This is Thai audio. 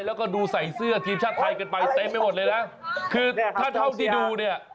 แล้วก็ดูใส่เสื้อทีมชาติไทยกันไปเต็มไปหมดเลยนะคือถ้าเท่าที่ดูเนี่ย